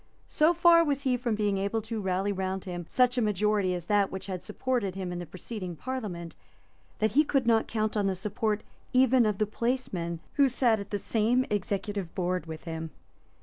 So far was he from being able to rally round him such a majority as that which had supported him in the preceding Parliament, that he could not count on the support even of the placemen who sate at the same executive board with him.